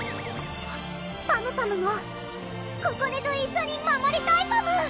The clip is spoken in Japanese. パムパムもここねと一緒に守りたいパム！